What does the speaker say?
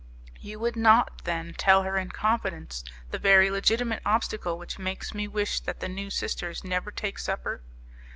"You would not, then, tell her in confidence the very legitimate obstacle which makes me wish that the new sisters never take supper?"